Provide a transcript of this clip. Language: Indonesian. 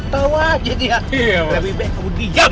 tahu aja dia lebih baik kamu diam